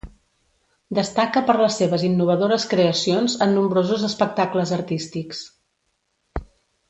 Destaca per les seves innovadores creacions en nombrosos espectacles artístics.